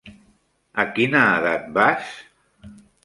A quina edat vas?